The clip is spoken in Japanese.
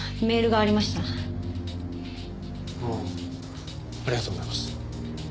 ありがとうございます。